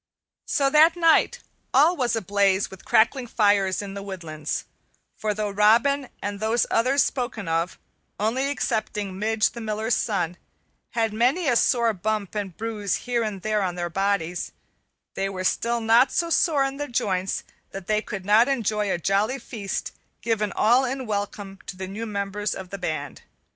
So that night all was ablaze with crackling fires in the woodlands, for though Robin and those others spoken of, only excepting Midge, the Miller's son, had many a sore bump and bruise here and there on their bodies, they were still not so sore in the joints that they could not enjoy a jolly feast given all in welcome to the new members of the band.